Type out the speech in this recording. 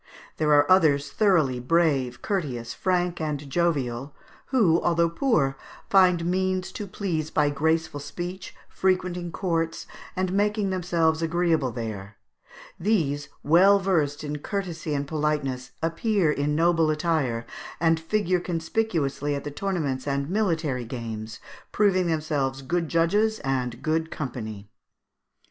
There are others thoroughly brave, courteous, frank, and jovial, who, although poor, find means to please by graceful speech, frequenting courts, and making themselves agreeable there; these, well versed in courtesy and politeness, appear in noble attire, and figure conspicuously at the tournaments and military games, proving themselves good judges and good company."